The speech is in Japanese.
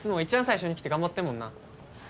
最初に来て頑張ってんもんな。